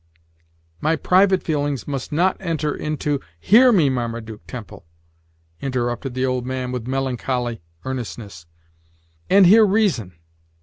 "My private feelings must not enter into " "Hear me, Marmaduke Temple," interrupted the old man, with melancholy earnestness, "and hear reason.